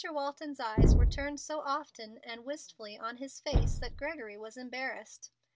Walton's eyes were turned so often and wistfully on his face that Gregory was embarrassed.